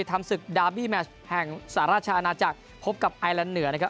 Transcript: ทำสึกแห่งศาลราชาณาจักรพบกับไอลันด์เหนือนะครับ